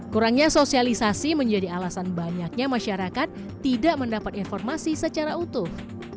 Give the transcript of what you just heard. kurangnya sosialisasi menjadi alasan banyaknya masyarakat tidak mendapat informasi secara utuh